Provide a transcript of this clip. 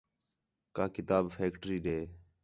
کہ کتاب فیکٹری ݙے